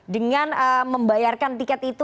dengan membayarkan tiket itu